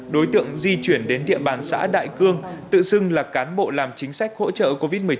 đối tượng di chuyển đến địa bàn xã đại cương tự xưng là cán bộ làm chính sách hỗ trợ covid một mươi chín